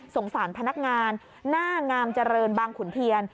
สารพนักงานหน้างามเจริญบางขุนเทียน